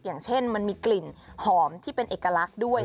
อย่างเช่นมันมีกลิ่นหอมที่เป็นเอกลักษณ์ด้วย